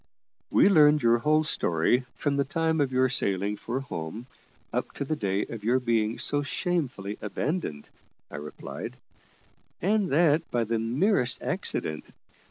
"We learned your whole story, from the time of your sailing for home up to the day of your being so shamefully abandoned," I replied, "and that by the merest accident.